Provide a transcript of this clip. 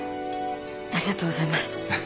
ありがとうございます。